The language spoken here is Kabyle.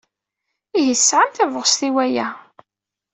Ihi tesɛam tabɣest i waya?